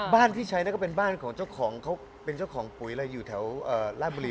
พี่ชัยก็เป็นบ้านของเจ้าของเขาเป็นเจ้าของปุ๋ยอะไรอยู่แถวราชบุรี